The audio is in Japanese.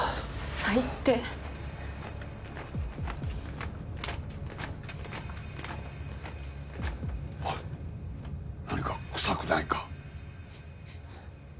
最っ低おい何か臭くないか？